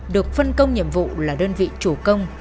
được phân công nhiệm vụ là đơn vị chủ công